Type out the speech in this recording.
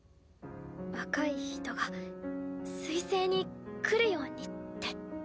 若い人が水星に来るようにって。